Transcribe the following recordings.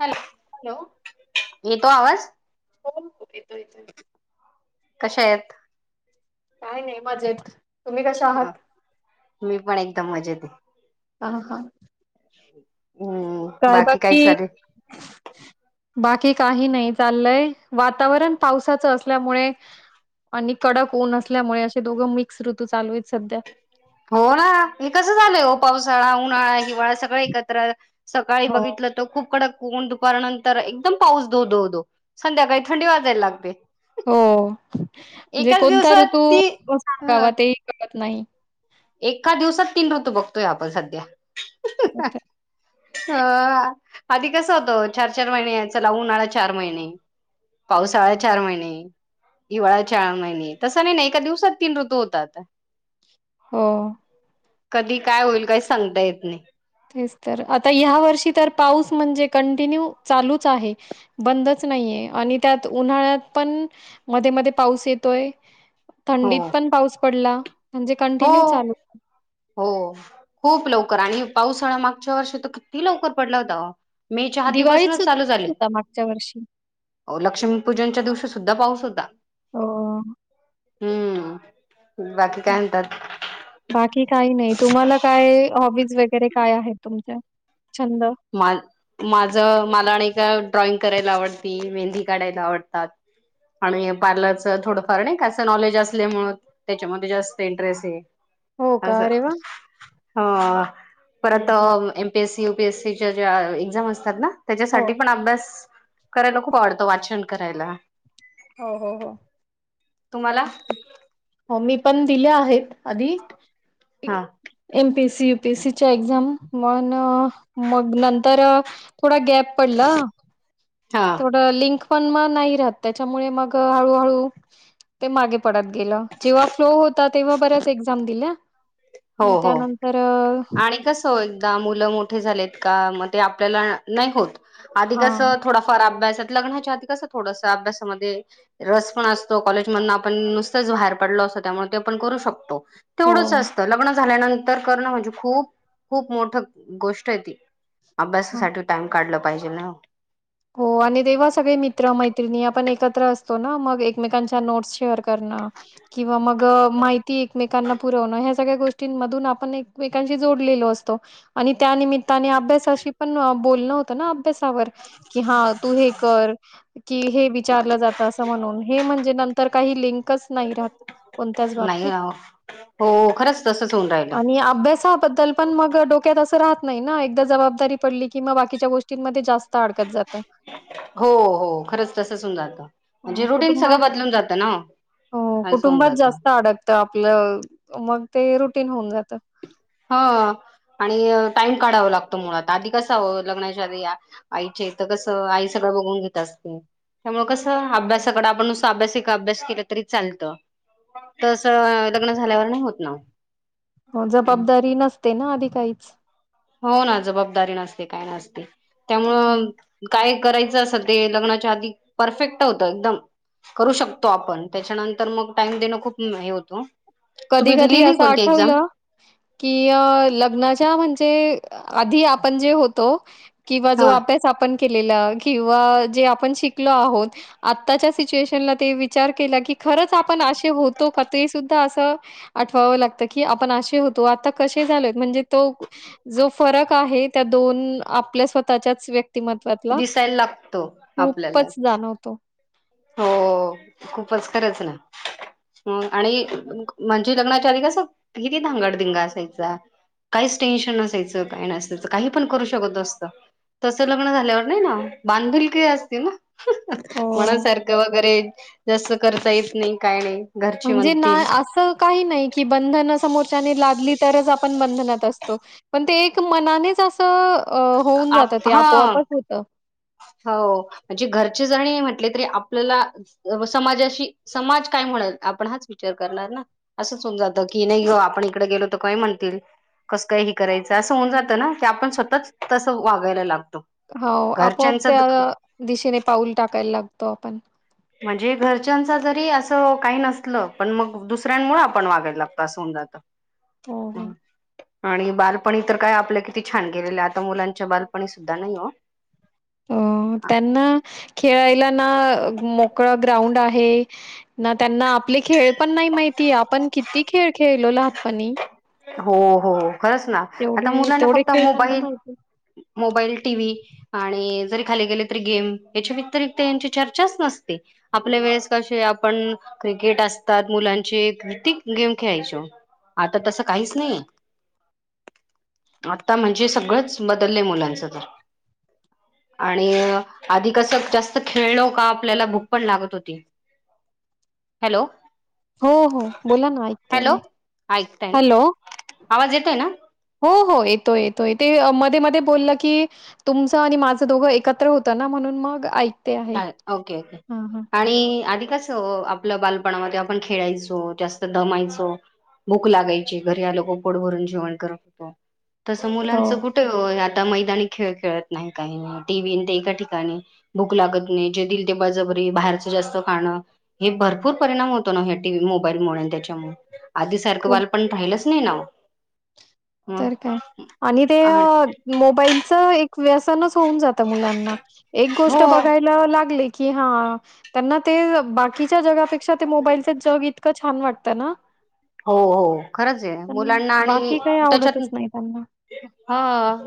Hello hello येतो आवाज. हो हो येतो येतोय कशा आहेत? काय नाही मजेत. कशा आहात? अ मी पण एकदम मजेत हे. हा हा. काय बाकी? बाकी काही नाही चाललंय. वातावरण पावसाचं असल्यामुळे आणि कडक ऊन असल्यामुळे असे दोघं मिक्स ऋतू चालू आहेत सध्या. हो ना हे कसं झालंय हो पावसाळा उन्हाळा, हिवाळा सगळ एकत्र सकाळी हो बघितलं तो खूप कडक कोण दुपारनंतर एकदम पाऊस दो धो दो संध्याकाळी थंडी वाजायला लागते. हो. जे एकाच कोणता दिवसात ऋतू ती ह सांगावा तेही कळत नाही. एका दिवसात तीन ऋतू बघतोय आपण सध्या. हो अहं अहं. तर हा. आधी कस होतो चार, चार महिने चला उन्हाळा चार महिने. पावसाळा चार महिने. हिवाळा चार महिने तसं नाही ना एका दिवसात तीन ऋतू होतात. हो. कधी काय होईल काही सांगता येत नाही. तेच तर आता ह्या वर्षी तर पाऊस म्हणजे कंटिन्यू चालूच आहे. बंदच नाहीये आणि त्यात उन्हाळ्यात पण मध्ये मध्ये पाऊस येतोय हो थंडीत पण पाऊस पडला म्हणजे हो कंटिन्यू चालू हो. खूप लवकर आणि पावसाळा मागच्या वर्षी तर किती लवकर पडला होता. मे च्या आधी दिवाळीत पासूनच चालू झाले. सुद्धा होता मागच्या वर्षी. अवो लक्ष्मीपूजनच्या दिवशी सुद्धा पाऊस. सुद्धा अ, हम्म. बाकी काय म्हणतात बाकी काही नाही. तुम्हाला काय हॉबीज वगैरे काय आहेत तुमच्या? छंद? माझ मला आणि का ड्रॉइंग करायला आवडती, मेहंदी काढायला आवडतात. आणि पार्लरचं थोडंफार नाही कां नॉलेज असल्यामुळे त्याच्यामध्ये जास्त इंटरेस्ट हो का? आहे. अरे वाह! हं, परत हं. MPSC, UPSC. त्या ज्या एक्झाम असतात ना हो. त्याच्यासाठी पण अभ्यास करायला खूप आवडतं. वाचन करायला. हो हो हो. तुम्हाला मी पण दिल्या आहेत आधी हा एमपी युपीएससी एक्झाम मग नंतर थोडा गॅप पडला, हा थोडं लिंक पण मग नाही राहत त्यामुळे मग हळू हळू ते मागे पडत गेल. जेव्हा फ्लो होता तेव्हा बऱ्याच एक्झाम दिल्या. हो मग हो त्यानंतर अ, आणि कस मुलं मोठे झालेत का मग ते आपल्याला नाही होत आधी कस हां. थोडाफार अभ्यास लग्नाच्या आधी कस थोडस अभ्यासामध्ये रस पण असतो, कॉलेज मध आपण नुसतच बाहेर पडलो त्यामुळे आपण करू शकतो. तेवढच हो. लग्न झाल्यानंतर करणं म्हणजे खूप खूप मोठ अ गोष्ट आहे ती. हं. अभ्यासासाठी टाइम काढला पाहिजे ना. [unintelligible] सगळे मित्र मैत्रिणी आपण एकत्र असतो ना मग एकमेकांच्या नोट्स शेअर करण किंवा मग अ माहिती एकमेकांना पुरवण हे सगळ्या गोष्टींमधून आपण एकमेकांशी जोडलेलो असतो आणि त्यानिमितानी अभ्यासाशी पण अ बोलण होत ना अभ्यासावर. की हा तू हे कर की हे विचारलं जात अस म्हणून हे म्हणजे नंतर काही लिंक च नाही राहत कोणत्याच नाही बाबतीत. अ हो खरंच तसंच होऊन राहिलं आणि अभ्यासाबद्दल पण मग अ डोक्यात असं राह नाही ना एकदा जबाबदारी पडली कि म बाकीच्या गोष्टींमध्ये जास्त अडकत जात. हो हो खरंच तसचहून जातं अ, म्हणजे रुटीन कुटुंब सगळं बदलून जातं ना. हो असं होऊन कुटुंबात जातं जास्त अडकतं आपलं मग ते रुटीन होऊन जात. हा आणि टाइम काढाव लागतो मुळात आधी कसा व लग्नाच्या आधी आई आईच्या ईत कसं आई सगळं बघून घेत असते. त्यामुळे कसं अभ्यासाकड आपण नुसं अभ्यासिक अभ्यास केला तरी चालतं. तस लग्न झाल्यावर नाही होत ना. हो जबाबदारी नसते ना आधी काहीच. हो ना जबाबदारी नसते काय नसते त्यामुळं त्याच्यामुळे काय करायचं असल ते लग्नाच्या आधी परफेक्ट होतं एकदम. करू शकतो आपण त्याच्यानंतर मग टाइम देणं खूप म हे होतो. कधी, तुम्ही कधी दिलेली असं कोणती एक्झाम आठवलं की लग्नाच्या म्हणजे आधी आपण जे होतो किंवा जो हा अभ्यास आपण केलेल किंवा जे आपण शिकलो आहोत आताच्या सीच्युएशनला ते विचार केला की खरंच आपण अशे होतो का ते सुद्धा असं आठवाव लागत की आपण अशे होतो आता कशे झालोयत म्हणजे तो जो फरक आहे त्या दोन आपल्या स्वतःच्याच व्यक् मत्त्वातला दिसायला लागतो आपल्याला खूपच जाणवतो. हो खूपच खरंच ना. ह आणि म्हणजे लग्नाच्या आली कस किती धांगडधिंगा असायचा. काहीच टेन्शन नसायचं काय नसायचं काही पण करू शकत असतं. तसं लग्न झाल्यावर नाही ना बांधलकी असते ना. हो. मनासारखं वगैरे जास् करता येत नाही काय नाही. घरचे म्हणजे ना म्हणतील असं काही नाही की बंधन समोरच्या लादली तरच आपण बंधनात असतो. पण ते एक मनानेच असं होऊन जात आप ते हा आपोआपच होत. हो म्हणजे घरचे जणी म्हटले तरी आपल्याला समाजाशी समाज काय म्हणल आपण हाच विचार करणार ना असंच होऊन जात की नाही ग आपण इकडे गेलो तर काय म्हणतील. कसं काय ह करायचं असं होऊन जातं ना की आपण स्वतःच तसं वागायला लागतो. हो आपोआप घरच्यांच त्या आ दिशेने पाऊल टाकायला लागतो आपण. म्हणजे घरच्यांचा जरी असं काय नसलं पण मग दुसऱ्यांमुळे आपण वागायला लागतो अस होऊ जात हो, हो. म आणि बाल पणी तर काय आपल्या किती छान गेलेल्या आता मुलांच्या बालपणी सुद्धा नाही हो. अ त्यांना खेळायला ना अ मोकळ ग्राउंड आहे ना त्यांना आपले खेळ पण नाही माहितीय आपण किती खेळ खेळलो लहातपणी. हो हो खरच ना आता मुलांना तेवढे फक्त खेळ त्यांना मोबाईल, माहिती मोबाईल, टीव्ही आणि जरी खाली गेले तरी गेम याच्या व्यतिरिक्त यांची चर्चाच नसते आपल्या वेळेस कशे आपण क्रिकेट असतात मुलांचे क गेम खेळायचो आता तस काहीच नाहीये, आता म्हणजे सगळंच बदलले मुलांचं तर आणि आधी कस जास्त खेळलो का आपल्याला भूक पण लागत होती [inaudible] हॅलो, हो हो बोला ना ऐकते हॅलो मी ऐकताय ना हॅलो, आवाज येतोय ना, हो, हो. येतोय येतोय ते मध्ये मध्ये बोललं की तुमचं आणि माझं दोघं एकत्र होतं ना म्हणून मग ऐक हा ओके ओके आणि आधि कसं आपल्या बालपणामध्ये आपण खेळायचो जास्त दमायचो भूक लागायची घरी लोक पोड भरून जेवण करायचो तसं हो, मुलांच कुठे आता मैदानी खेळ खेळत नाही काही टीव्ही आणि ते एका ठिकाणी भूक लागतं नाही जे देईल ते बळजबरी बाहेरच जास्त खाणं हे भरपूर परिणाम होतो ना ह्या टीव्ही मोबाईल यांच्या मुळे त्यांच्यामुळे आधी सारखं खूप बाल पण राहिलच नाही ना हो. तर काय आणि ते मोबाईलच एक व्यसनच होऊन जात मुलांना एक गोष्ट हो बघायला लागले की हा त्यांना ते बाकीच्या जगापेक्षा ते मोबाईलच जग इतकं छान वाटतं ना हो हो खरच आहे पण मुलांना आणि बाकी काही त्याच्या आवडतच नाही त्यांना. हा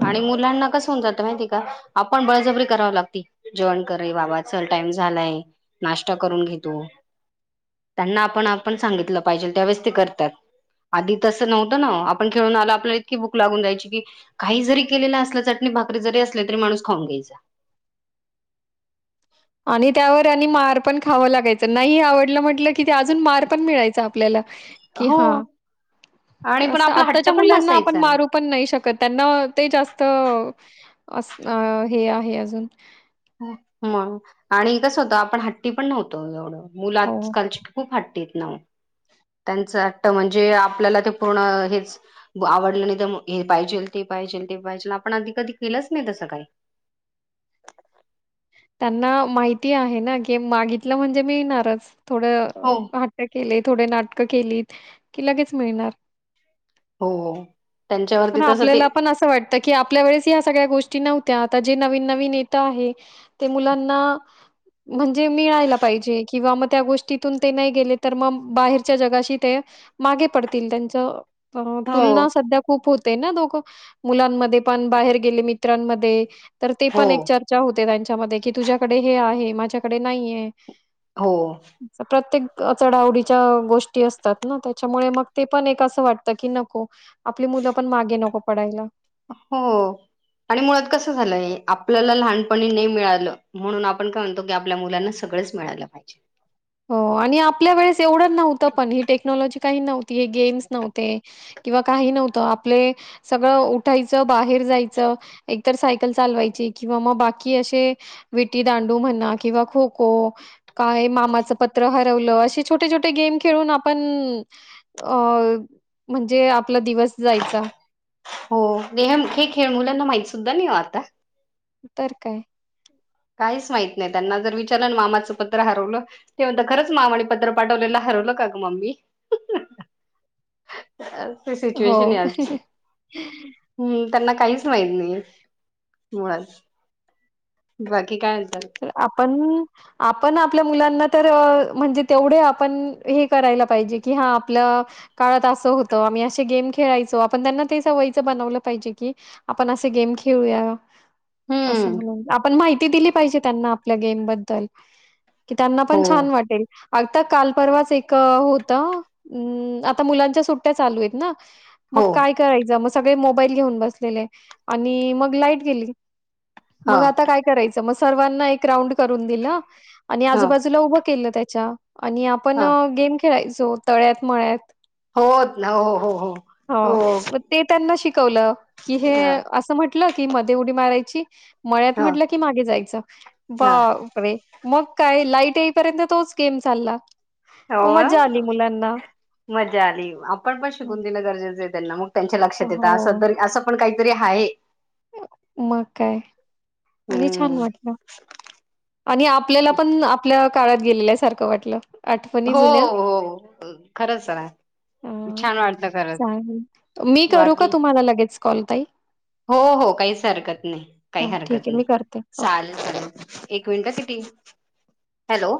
आणि मुलांना कसं होऊन जात माहिती का आपण बळजबरी कराव लागती जेवण कररे बाबा चल टाइम झालाय नाश्ता करून घेतो, त्यांना आपण आपण सांगितलं पाहिजे त्यावेळेस ते करतात आधी तसं नव्हतं ना आपण खेळून आलं आपल्याला इतकी भूक लागून रहायची की काही जरी केलेलं असलं चटणी भा भाकरी जरी असली तरी माणूस खाऊन घ्यायचा आणि त्यावर आणि मार पण खावं लागायचं नाही आवडलं म्हटलं कि ते अजून मार पण मिळायचा आपल्याला की हो, हां आणि पण असं आपला हट्ट आत्ताच्या पण मुलांना आपण नसायचा मारू ना पण नाही शकत त्यांना ते जास्त असं अ हे आहे अजून मग आणि कसं होतं आपण हट्टी पण नव्हतो एवढं मुलं हो. आजकालची खूप हटी आहेत ना हो त्यांच हाट म्हणजे आपल्याला ते पूर्ण हेच आवडलं नाही तर हे पाहिजे ते पाहि ते पाहिजे ते पाहिजे आपण आधी कधी केलंच नाही तसं काही त्यांना माहिती आहे ना की मागितलं म्हणजे मीळणारच थोड हो हट्ट केले थोडे नाटकं केलीत की लगेच मिळणार हो [inaudible] पण त्यांच्यावरती तसं ते आपल्याला पण असं वाटत की आपल्या वेळेस ही असं सगळ्या गोष्टी नव्हत्या आता जे नवीन नवीन येत आहे ते मुलांना म्हणजे मिळायला पाहिजे किंवा मग त्या गोष्टीतून ते नाही गेले तर मग बाहेरच्या जगाशी ते मागे पडतील त्यांच हो तुलना सध्या खूप हो तेणा दोघ मुलांमध्ये पण बाहेर गेले मित्रांमध्ये तर ते हो पण एक चर्चा हो ते त्यांच्या मध्ये कि तुझ्याकडे हे आहे माझ्याकडे नाहीय हो असं प्रत्येक चढ आवडीच्या गोष्टी असतात ना त्याच्यामुळे मग ते पण एक असं वाटतं की नको आपली मुलं पण मागे नको पडायला, हो, आणि मुळात कसं झालं आपल्याला लहानपणी नाही मिळालं म्हणून आपण काय म्हणतो की आपल्या मुलांना सग सगळंच मिळायला पाहिजे हो आणि आपल्या वेळेस एवढं नव्हतं पण ही टेक्नॉलॉजी काही नव्हती हे गेम्स नव्हते किंवा काही नव्हतं आपले सगळं उठायचं बाहेर जायचं एकतर सायकल चालवायची किंवा मग बाकी असे विटी दांडू म्हणा किंवा खो खो काय मामाचं पत्र हारवलं असे छोटे छोटे गेम खेळून आपण म्हणजे आप आपला दिवस जायचा हो ऐम हे खेळ मुलांना माहती सुद्धा नाही वो आता तर काय काहीच माहीत नाही त्यांना, जरं विचारल ना मामाचं पत्र हरवलं ते म्हणतात खरंच मामाने पत्र पाठवलेलं ह रवलं का गं मम्मी? ही हो सिचुएशन आहे आजची हम्म. त्यांना काहीच माहीत नाही आहे मुळात बाकी काय? म्हणतात तर आपण आपण आपल्या मुलांना तर म्हणजे तेवढे आपण हे करायला पाहिजे की हा आपलं काळात आसं होतं आम्ही असे गेम खेळायचो आपण त्यांना ते सवयीच बनवल पाहिजे की आपण असे गेम खेळूया. असं हम्म म्हणून आपण माहिती दिली पाहिजे त्यांना आपल्या गेमबद्दल की त्यांना पण हो छान वाटेल. आता काल परवाच एक होतं आता मुलांच्या सुट्टया चालू आहेत ना मग हो काय करायचं म सगळे मोबाईल घेऊन बसलेले, आणि मग लाईट गेली हा मग आता काय करायच? सर्वांना एक राऊंड करून दिलं आणि ह आजूबाजूला उभं केलं त्याच्या आणि आपण ह गेम खेळायचो तळ्यात मळ्यात होत ना हो हो हो हो मग ते त्यांना शिकवलं की हे ह असं म्हट टलं की मध्ये उडी मारायची मळ्यात ह म्हटलं की मागे जायचं ह बापरे! मग काय लाईट येईपर्यंत तोच गेम चालला. मग होवा मज्जा आली मुलांना. मजा आली आपण पण हं. शिकून दिण गरजेचं आहे त्यांना मग त्यांच्या लक्षात येत अस हो, तरी असं पण काहीतरी हाये मग काय आणि छान हम्म वाटलं आणि आपल्याला पण आपल्या काळात गेलेल्या सारखं वाटलं. आठवणी हो जुन्या. हो खरंच ना हा चालेल, मी करू का बाकी तुम्हाला लगेच कॉल ताई? हो हो काहीच हरकत नाही काही हां ठीक हरकत आहे नाही. मी करते. ओके. चालेल चालेल एक मिंट टी हॅलो.